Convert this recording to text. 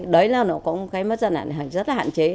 đấy là nó có một cái mất dần hạn rất là hạn chế